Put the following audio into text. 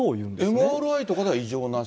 ＭＲＩとかでは異常なし？